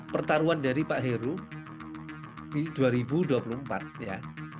pertaruhan dari pak heru di dua ribu dua puluh empat ya